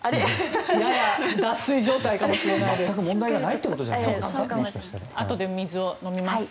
やや脱水状態かもしれないです。